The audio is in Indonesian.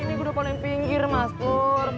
ini gue udah polen pinggir mas pur